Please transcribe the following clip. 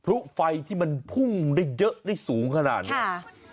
เพราะไฟที่มันพุ่งได้เยอะได้สูงขนาดนี้